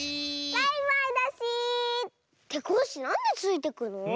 バイバイだし！ってコッシーなんでついていくの？